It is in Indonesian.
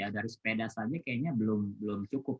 dari sepeda saja kayaknya belum cukup